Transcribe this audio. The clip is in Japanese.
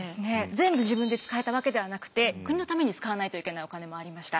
全部自分で使えたわけではなくて国のために使わないといけないお金もありました。